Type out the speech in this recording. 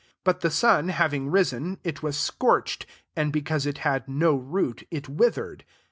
6 But the sun having risen, it was scorched ; and, because it had no root, it withered.